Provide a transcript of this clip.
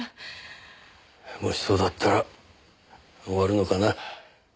もしそうだったら終わるのかな。